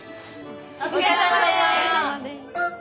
お疲れさまです。